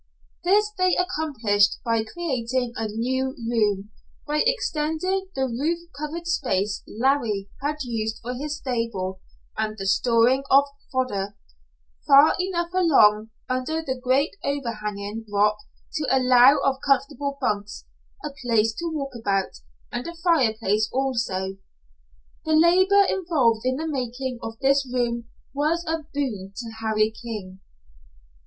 This they accomplished by creating a new room, by extending the roof covered space Larry had used for his stable and the storing of fodder, far enough along under the great overhanging rock to allow of comfortable bunks, a place to walk about, and a fireplace also. The labor involved in the making of this room was a boon to Harry King.